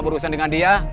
selama tiga bulan